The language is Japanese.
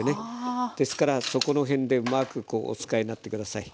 あ！ですからそこの辺でうまくお使いになって下さい。